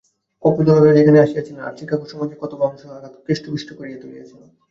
কপুরতলার রাজা এখানে আসিয়াছিলেন, আর চিকাগো সমাজের কতকাংশ তাঁহাকে কেষ্ট-বিষ্টু করিয়া তুলিয়াছিল।